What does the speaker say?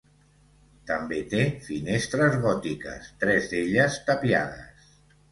També té finestres gòtiques, tres d'elles tapiades.